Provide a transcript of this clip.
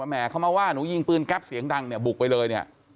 แหมเขามาว่าหนูยิงปืนกั๊บเสียงดังบุกไปเลย